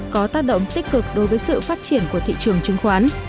có tác động tích cực đối với sự phát triển của thị trường chứng khoán